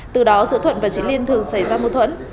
từ đó giữa thuận và chị liên thường xảy ra mâu thuẫn